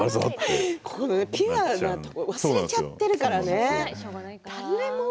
ピュアなところを忘れてしまっているからね。